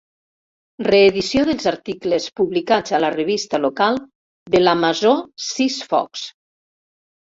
Reedició dels articles publicats a la revista local de La Masó Sis Focs.